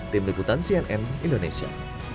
tim leputan cnn indonesia